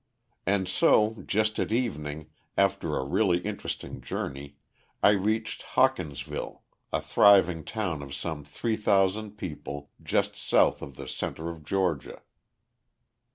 ] And so, just at evening, after a really interesting journey, I reached Hawkinsville, a thriving town of some 3,000 people just south of the centre of Georgia.